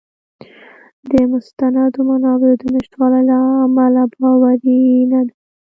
د مستندو منابعو د نشتوالي له امله باوری نه دی.